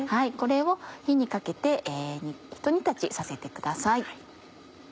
これを火にかけてひと煮立ちさせてください。